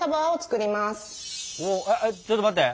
ちょっと待って。